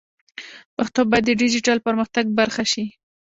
پښتو باید د ډیجیټل پرمختګ برخه شي.